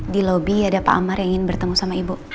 di lobi ada pak amar yang ingin bertemu sama ibu